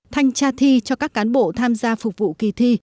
thanh tra thi cho các cán bộ tham gia phục vụ kỳ thi